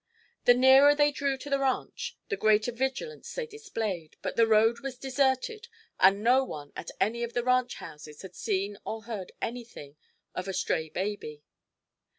The nearer they drew to the ranch the greater vigilance they displayed, but the road was deserted and no one at any of the ranch houses had seen or heard anything of a stray baby.